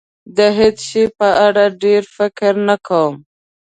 د هېڅ شي په اړه ډېر فکر نه کوم.